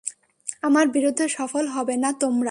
আমার বিরুদ্ধে সফল হবে না তোমরা।